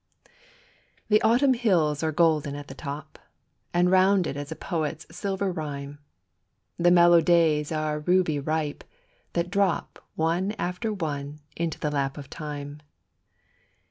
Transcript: The Autumn hills are golden at the top, And rounded as a poet's silver rhyme; The mellow days are ruby ripe, that drop One after one into the lap of time.